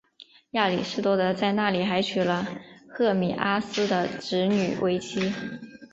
亚里士多德在那里还娶了赫米阿斯的侄女为妻。